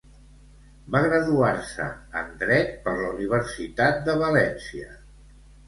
Va graduar-se en dret per la Universitat de València.